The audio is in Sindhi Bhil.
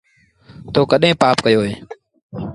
تو ڪڏهيݩ پآپ ڪيو اهي۔